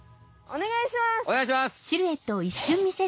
おねがいします！